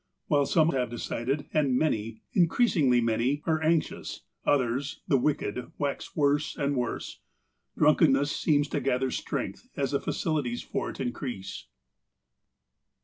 While some have decided, and many — increasingly many — are anxious, others — the wicked — wax worse and worse. Drunkenness seems to gather strength, as the facilities for it increase."